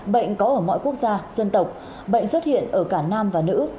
bệnh có ở mọi quốc gia dân tộc bệnh xuất hiện ở cả nam và nữ